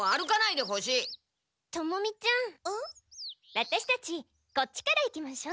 ワタシたちこっちから行きましょ。